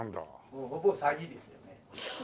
もうほぼ詐欺ですね。